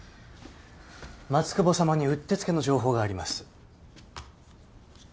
松久保さまにうってつけの情報があります。